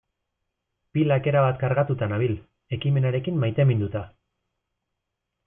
Pilak erabat kargatuta nabil, ekimenarekin maiteminduta.